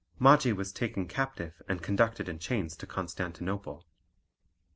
Maggi was taken captive and conducted in chains to Constantinople.